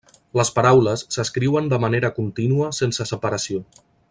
Les paraules s'escriuen de manera contínua sense separació.